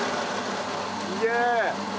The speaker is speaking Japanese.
すげえ！